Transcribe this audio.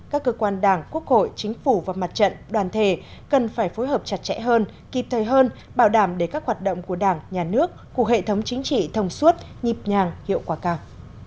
các cơ quan đảng quốc hội chính phủ và mặt trận đoàn thể cần phải phối hợp chặt chẽ hơn kịp thời hơn bảo đảm để các hoạt động của đảng nhà nước của hệ thống chính trị thông suốt nhịp nhàng hiệu quả cao